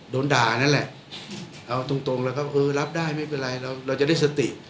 โดนด่านั่นแหละเอาตรงแล้วก็เออรับได้ไม่เป็นไรเราเราจะได้สติ